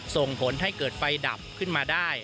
ส่งผลให้เกิดไฟดับขึ้นมาได้